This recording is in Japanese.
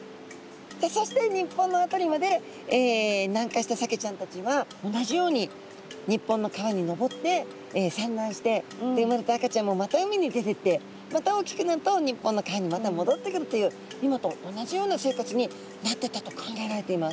そして日本の辺りまで南下したサケちゃんたちは同じように日本の川に上って産卵してで生まれた赤ちゃんもまた海に出てってまた大きくなると日本の川にまたもどってくるという今と同じような生活になってったと考えられています。